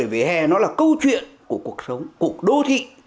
về hè nó là câu chuyện của cuộc sống của đô thị